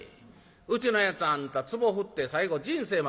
うちのやつあんたつぼ振って最後人生まで振りよったんだ」。